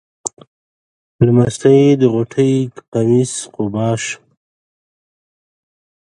له مستۍ د غوټۍ قمیص قبا شو.